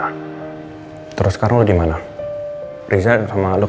ya udah oke kalau gitu take care siap aman kok